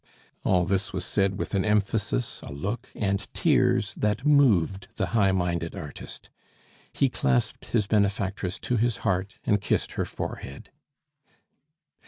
All this was said with an emphasis, a look, and tears that moved the high minded artist; he clasped his benefactress to his heart and kissed her forehead.